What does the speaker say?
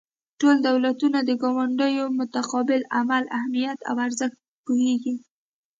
ټول دولتونه د ګاونډیو متقابل عمل اهمیت او ارزښت پوهیږي